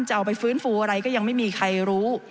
จะเอาไปฟื้นฟูอะไรก็ยังไม่มีใครรู้